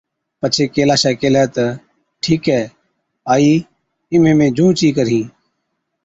پڇي ڪيلاشَي ڪيهلَي تہ، ’ٺِيڪَي آئِي اِمهين مين جھُونچ ئِي ڪرهِي‘۔